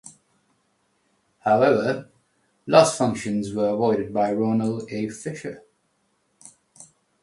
However, loss functions were avoided by Ronald A. Fisher.